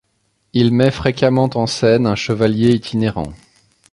Il met fréquemment en scène un chevalier itinérant.